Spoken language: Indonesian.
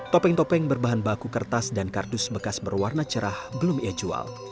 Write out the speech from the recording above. topeng topeng berbahan baku kertas dan kardus bekas berwarna cerah belum ia jual